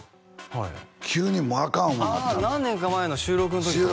はい急にもうアカンああ何年か前の収録の時ですか？